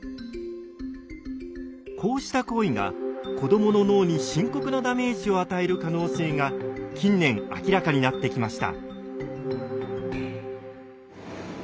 こうした行為が子どもの脳に深刻なダメージを与える可能性が近年明らかになってきました。